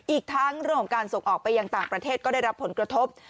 อีกทั้งเรื่องของการส่งออกไปยังต่างประเทศก็ได้รับผลกระทบ